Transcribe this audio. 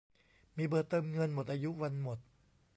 มีเบอร์เติมเงินหมดอายุ วันหมด